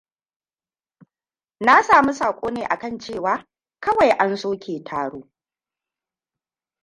Na samu sako ne a akan cewa kawai an soke taro.